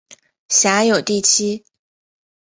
辖有第七。